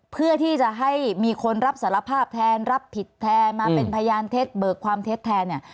เพื่อที่จะให้มีคนรับสารภาพแทนรับผิดแทนมาเป็นพยานเท็จเบิกความเท็จแทนเนี่ย